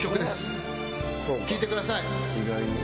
聴いてください。